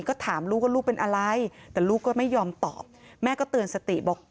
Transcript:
ก็ถามลูกว่าลูกเป็นอะไรแต่ลูกก็ไม่ยอมตอบแม่ก็เตือนสติบอก